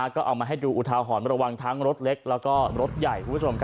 ก็เอามาให้ดูอุทาหรณ์ระวังทั้งรถเล็กแล้วก็รถใหญ่คุณผู้ชม